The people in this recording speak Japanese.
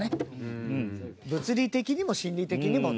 物理的にも心理的にも。